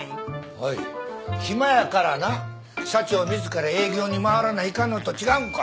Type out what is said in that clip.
おい暇やからな社長自ら営業に回らないかんのと違うんか。